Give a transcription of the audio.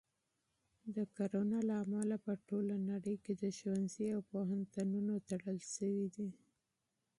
د کرونا له امله په ټوله نړۍ کې ښوونځي او پوهنتونونه تړل شوي دي.